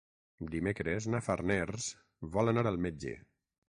Dimecres na Farners vol anar al metge.